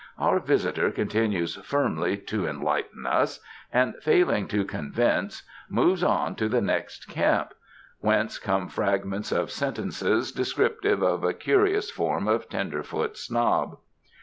Our visitor continues firmly to en. lighten us, and, failing to convince, moves on to the next camp, whence come fragments of sentences 59 UNDER THE SKY IN CALIFORNIA descriptive of a curious form of tenderfoot snob.